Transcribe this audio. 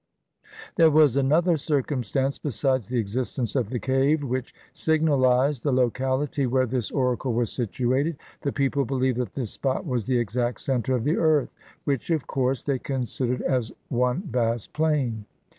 There was another circumstance, besides the existence of the cave, which signalized the locality where this oracle was situated. The people believed that this spot was the exact center of the earth, which of course they considered as one vast plain.